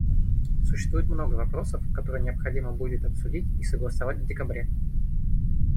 Существует много вопросов, которые необходимо будет обсудить и согласовать в декабре.